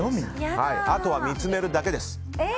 あとは見つめるだけです。